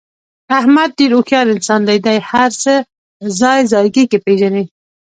احمد ډېر هوښیار انسان دی. دې هر څه ځای ځایګی پېژني.